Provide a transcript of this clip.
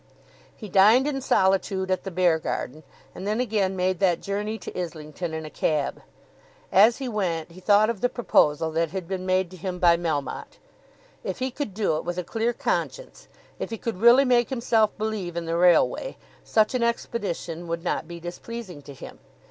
He dined in solitude at the Beargarden, and then again made that journey to Islington in a cab. As he went he thought of the proposal that had been made to him by Melmotte. If he could do it with a clear conscience, if he could really make himself believe in the railway, such an expedition would not be displeasing to him.